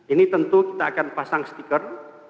ini tentu kita akan pasang stiker